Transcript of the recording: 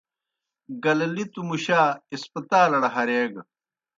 گللِتوْ مُشا ہسپتالڑ ہریگہ۔